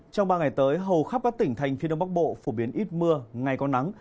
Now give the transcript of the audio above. trong ba ngày tới hầu khắp các tỉnh thành phía đông bắc bộ phổ biến ít mưa ngày có nắng